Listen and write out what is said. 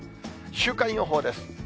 週間予報です。